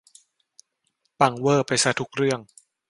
ปังเว่อร์ไปซะทุกเรื่อง